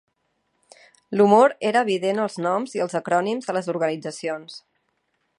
L'humor era evident als noms i als acrònims de les organitzacions.